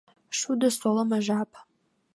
Шудо солымо жап.